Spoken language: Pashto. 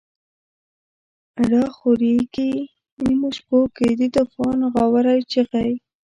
لا خوریږی نیمو شپو کی، دتوفان غاوری چیغی